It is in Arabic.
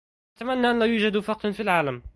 أتمنّى أن لا يوجد فقر في العالم.